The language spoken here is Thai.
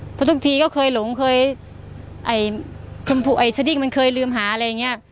เพราะทุกทีก็เคยหลงเคยไอ้สดิ้งมันเคยลืมหาอะไรอย่างนี้